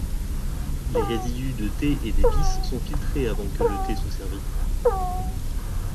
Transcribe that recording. Les résidus de thé et d'épices sont filtrés avant que le thé soit servi.